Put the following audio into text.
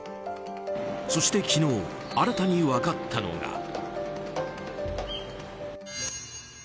そして昨日新たに分かったのが。